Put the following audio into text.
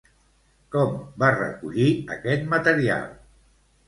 Com va recollir aquest material?